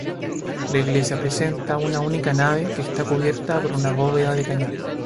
La iglesia presenta una única nave que está cubierta por una bóveda de cañón.